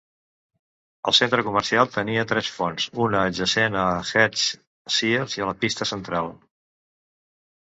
El centre comercial tenia tres fonts, una adjacent a Hecht's, Sears i a la pista central.